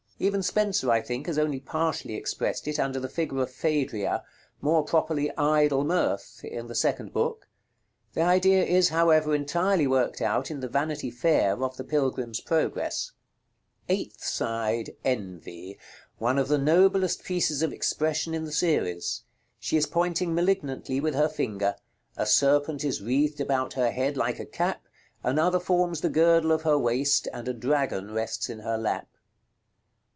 Even Spenser, I think, has only partially expressed it under the figure of Phædria, more properly Idle Mirth, in the second book. The idea is, however, entirely worked out in the Vanity Fair of the "Pilgrim's Progress." § XCIII. Eighth side. Envy. One of the noblest pieces of expression in the series. She is pointing malignantly with her finger; a serpent is wreathed about her head like a cap, another forms the girdle of her waist, and a dragon rests in her lap.